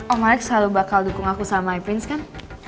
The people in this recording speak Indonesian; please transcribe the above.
om alex selalu bakal dukung aku sama mypants kan